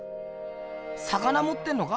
魚もってんのか？